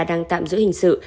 đang tạm giữ hình sự